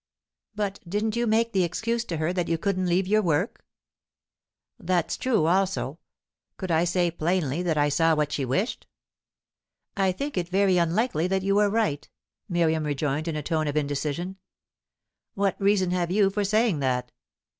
"But didn't you make the excuse to her that you couldn't leave your work?" "That's true also. Could I say plainly that I saw what she wished?" "I think it very unlikely that you were right," Miriam rejoined in a tone of indecision. "What reason have you for saying that?"